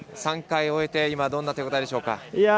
３回終えて今、どんな手応えでしょうか。